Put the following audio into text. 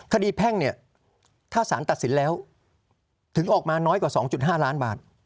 แพ่งเนี่ยถ้าสารตัดสินแล้วถึงออกมาน้อยกว่า๒๕ล้านบาท